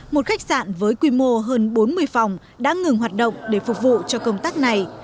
một khách sạn với quy mô hơn bốn mươi phòng đã ngừng hoạt động để phục vụ cho công tác này